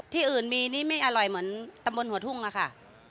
ที่อื่นมีนี่ไม่อร่อยเหมือนตำบลหัวทุ่งอะค่ะ